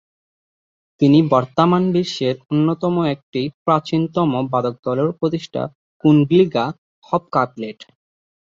তিনি বর্তামান বিশ্বের অন্যতম একটি প্রাচীনতম বাদকদলেরও প্রতিষ্ঠা, কুনগ্লিগা হবকাপিলেট।